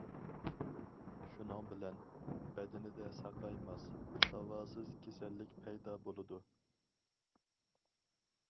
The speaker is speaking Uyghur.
شۇنىڭ بىلەن، بەدىنىدە ساقايماس، داۋاسىز كېسەللىك پەيدا بولىدۇ.